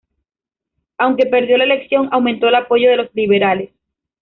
Aunque perdió la elección, aumentó el apoyo de los liberales.